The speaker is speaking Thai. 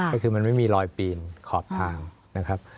ก็คือมันไม่มีรอยปีนขอบทางนะครับ